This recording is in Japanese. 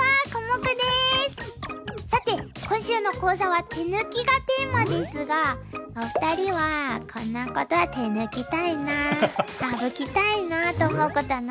さて今週の講座は手抜きがテーマですがお二人は「こんなことは手抜きたいな」「省きたいな」と思うことは何ですか？